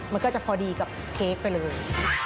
มันก็จะพอดีกับเค้กไปเลย